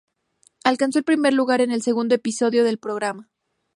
Alcanzó el primer lugar en el segundo episodio del programa.